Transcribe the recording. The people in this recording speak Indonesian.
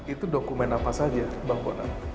itu dokumen apa saja bang bona